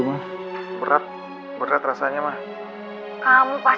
kalian berdua ga sama